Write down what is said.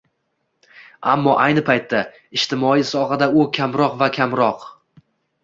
Ammo ayni paytda ijtimoiy sohada u kamroq va kamroq